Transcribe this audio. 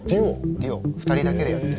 デュオ２人だけでやってる。